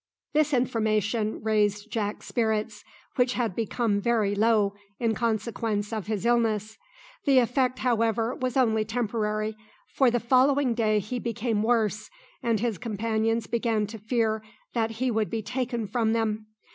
This information raised Jack's spirits, which had become very low in consequence of his illness. The effect, however, was only temporary, for the following day he became worse, and his companions began to fear that he would be taken from them.